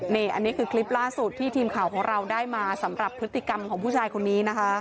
นี่อันนี้คือคลิปล่าสุดที่ทีมข่าวของเราได้มาสำหรับพฤติกรรมของผู้ชายคนนี้นะคะ